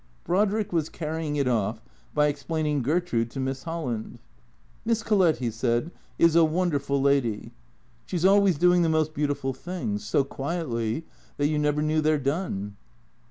Brodrick was carrying it off by explaining Gertrude to Miss Holland. " Miss Collett," he said, " is a wonderful lady. She 's always doing the most beautiful things, so quietly that you never knew they 're done."